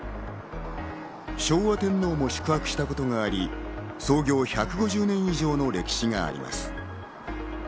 昭和天皇も宿泊したこともあり、創業１５０年以上の歴史があります。